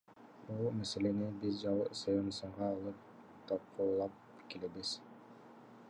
Бул маселени биз жыл сайын сынга алып, талкуулап келебиз.